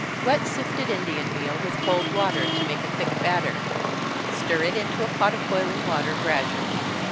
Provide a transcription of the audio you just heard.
_ Wet sifted Indian meal with cold water, to make a thick batter. Stir it into a pot of boiling water gradually.